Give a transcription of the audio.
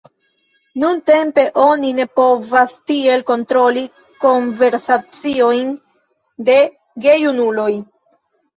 Nuntempe oni ne povas tiel kontroli konversaciojn de gejunuloj.